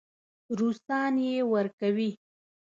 روسان یې ورکوي.